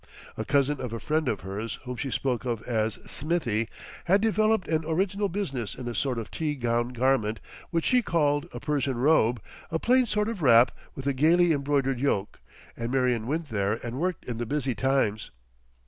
A cousin of a friend of hers whom she spoke of as Smithie, had developed an original business in a sort of tea gown garment which she called a Persian Robe, a plain sort of wrap with a gaily embroidered yoke, and Marion went there and worked in the busy times.